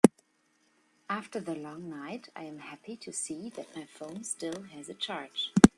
After the long night, I am happy to see that my phone still has a charge.